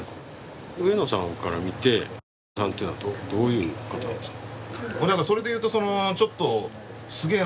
上野さんから見てさんっていうのはどういう方なんですか？